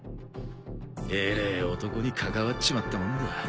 えれえ男に関わっちまったもんだ。